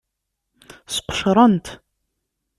Sqecren-t.